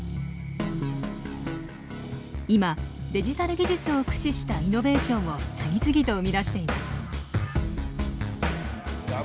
今デジタル技術を駆使したイノベーションを次々と生み出しています。